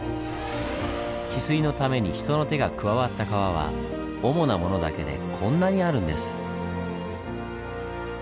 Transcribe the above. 治水のために人の手が加わった川は主なものだけでこんなにあるんです。